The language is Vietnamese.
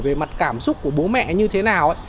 về mặt cảm xúc của bố mẹ như thế nào